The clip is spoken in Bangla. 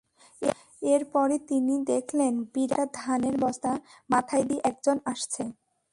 এরপরই তিনি দেখলেন বিরাট একটা ধানের বস্তা মাথায় নিয়ে একজন আসছে।